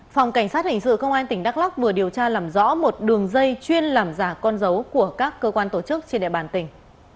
phòng cảnh sát hình sự công an tỉnh đắk lóc vừa điều tra làm rõ một đường dây chuyên làm giả con dấu của các cơ quan tổ chức trên địa bàn tỉnh